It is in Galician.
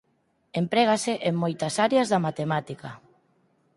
Emprégase en moitas áreas da matemática.